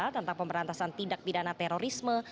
tentang pemberantasan tindak pidana terorisme